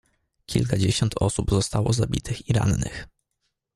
"Kilkadziesiąt osób zostało zabitych i rannych."